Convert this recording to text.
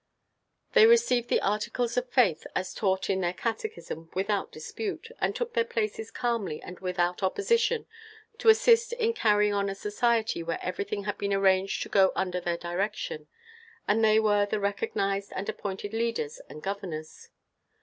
They received the articles of faith as taught in their catechism without dispute, and took their places calmly and without opposition to assist in carrying on a society where everything had been arranged to go under their direction, and they were the recognized and appointed leaders and governors.